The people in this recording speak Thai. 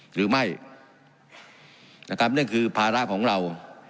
หรือไม่นะครับนั่นคือภาระของเรา